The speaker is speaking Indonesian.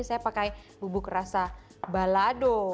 saya pakai bubuk rasa balado